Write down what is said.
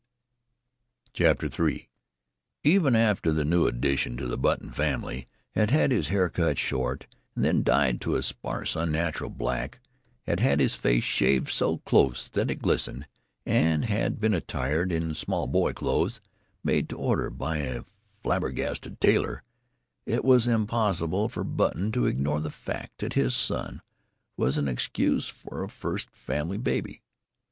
III Even after the new addition to the Button family had had his hair cut short and then dyed to a sparse unnatural black, had had his face shaved so close that it glistened, and had been attired in small boy clothes made to order by a flabbergasted tailor, it was impossible for Button to ignore the fact that his son was a poor excuse for a first family baby.